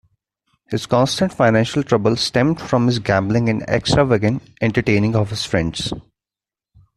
His constant financial trouble stemmed from his gambling and extravagant entertaining of his friends.